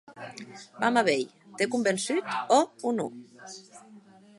Vam a veir, t’é convençut, òc o non?